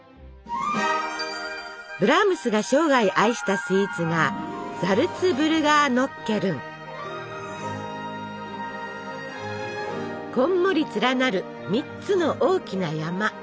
ブラームスが生涯愛したスイーツがこんもり連なる３つの大きな山。